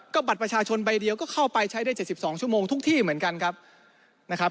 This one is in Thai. ก็บัตรประชาชนใบเดียวก็เข้าไปใช้ได้๗๒ชั่วโมงทุกที่เหมือนกันครับนะครับ